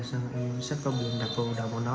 xong rồi em sát con bia em đặt con đầu vào nó